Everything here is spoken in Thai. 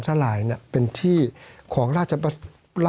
สวัสดีครับทุกคน